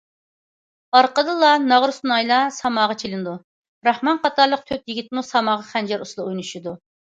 ئارقىدىنلا ناغرا، سۇنايلار ساماغا چېلىنىدۇ، راخمان قاتارلىق تۆت يىگىتمۇ ساماغا خەنجەر ئۇسسۇلى ئوينىشىدۇ.